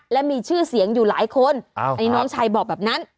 และมีชื่อเสียงอยู่หลายคนอันนี้น้องชายบอกแบบนั้น